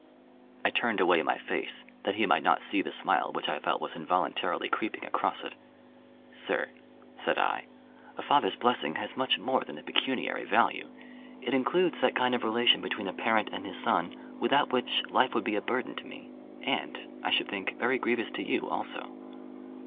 I turned away my face that he might not see the smile which I felt was involuntarily creeping across it. "Sir," said I, "a father's blessing has much more than a pecuniary value. It includes that kind of relation between a parent and his son without which life would be a burden to me, and, I should think, very grievous to you also."